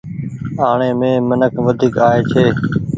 آڻي مين منک وڍيڪ آئي ڇي۔